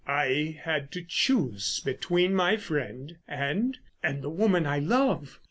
"I had to choose between my friend and—and the woman I love.